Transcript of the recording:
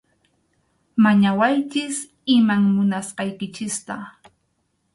Mañawaychik iman munasqaykichikta.